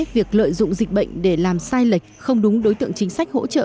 việc lợi dụng dịch bệnh để làm sai lệch không đúng đối tượng chính sách hỗ trợ